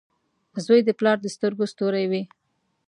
• زوی د پلار د سترګو ستوری وي.